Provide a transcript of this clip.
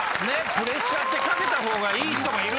プレッシャーってかけた方がいい人がいるんだよね。